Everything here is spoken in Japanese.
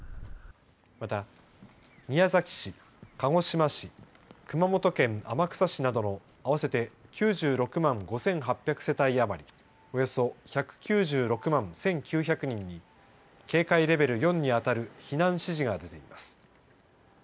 また、宮崎市、鹿児島市熊本県天草市などの合わせて９６万５８００世帯余りおよそ１９６万１９００人に警戒レベル４に当たる避難指示が出ています。